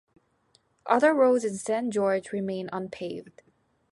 Other roads in San Jorge remain unpaved.